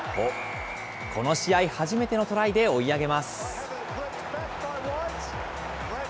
この試合、初めてのトライで追い上げます。